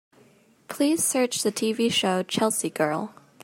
Please search the TV show Chelsea Girl.